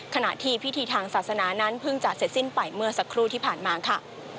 ขณะที่พิธีทางศาสนานั้นเพิ่งจะเสร็จสิ้นไปเมื่อสักครู่ที่ผ่านมาค่ะ